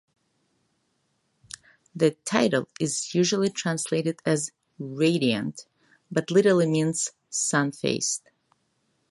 The title is usually translated as "radiant" but literally means "sun-faced".